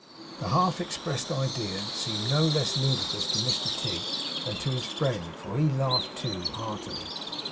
The half expressed idea seemed no less ludicrous to Mr Tigg than to his friend, for he laughed too, heartily.